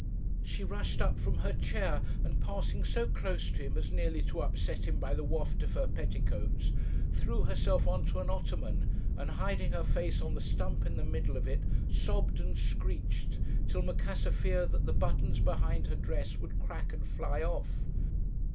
She rushed up from her chair, and passing so close to him as nearly to upset him by the waft of her petticoats, threw herself on to an ottoman, and hiding her face on the stump in the middle of it, sobbed and screeched, till Macassar feared that the buttons behind her dress would crack and fly off.